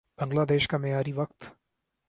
بنگلہ دیش کا معیاری وقت